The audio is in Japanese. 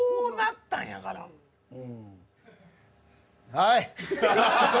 はい。